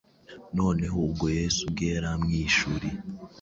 Noneho ubwo Yesu ubwe yari amwihishuriye,